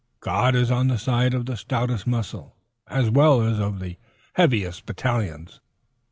God is on the side of the stoutest muscle as well as of the heaviest battalions.